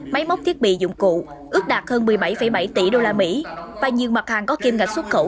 máy móc thiết bị dụng cụ ước đạt hơn một mươi bảy bảy tỷ usd và nhiều mặt hàng có kim ngạch xuất khẩu